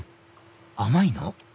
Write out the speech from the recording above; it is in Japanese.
甘いの？